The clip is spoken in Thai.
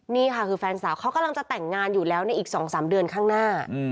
นี่ค่ะคือแฟนสาวเขากำลังจะแต่งงานอยู่แล้วในอีก๒๓เดือนข้างหน้า